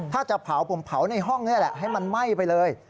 ถ้าจะเผาผมเผาในห้องนี่แหละให้มันไหม้ไปเลย